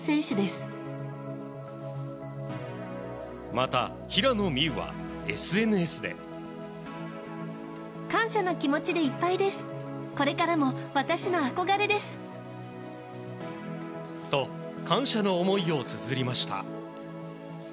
また、平野美宇はＳＮＳで。と、感謝の思いをつづりました。